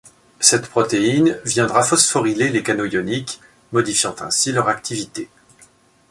Cette protéine viendra phosphoryler les canaux ioniques, modifiant ainsi leur activité.